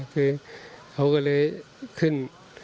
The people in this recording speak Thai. คือเขาก็เลยขึ้น